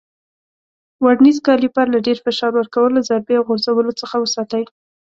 ورنیز کالیپر له ډېر فشار ورکولو، ضربې او غورځولو څخه وساتئ.